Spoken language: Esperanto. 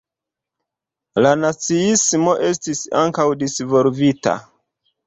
La naciismo estis ankaŭ disvolvita.